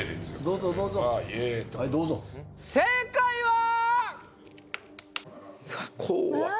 正解はうわ怖っ